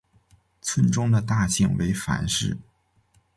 村中的大姓为樊氏。